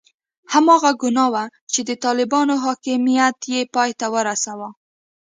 هماغه ګناه وه چې د طالبانو حاکمیت یې پای ته ورساوه.